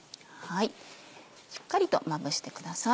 しっかりとまぶしてください。